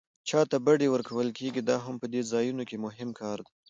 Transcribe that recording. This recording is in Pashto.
چاته بډې ورکول کېږي دا هم په دې ځایونو کې مهم کار دی.